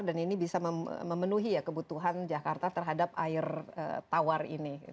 dan ini bisa memenuhi ya kebutuhan jakarta terhadap air tawar ini